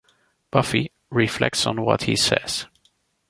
Buffy reflects on what he says.